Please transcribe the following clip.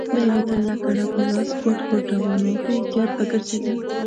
دی به تل لکړه په لاس ګوډ ګوډ روان و، په احتیاط به ګرځېده.